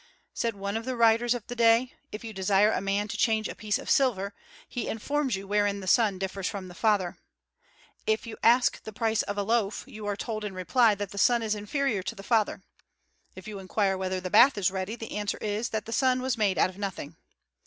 Said one of the writers of the day: "If you desire a man to change a piece of silver, he informs you wherein the Son differs from the Father; if you ask the price of a loaf, you are told in reply that the Son is inferior to the Father; if you inquire whether the bath is ready, the answer is that the Son was made out of nothing."